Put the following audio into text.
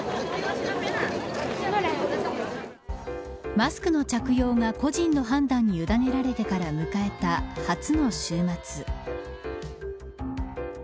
マスクの着用が個人の判断に委ねられてから迎えた初の週末。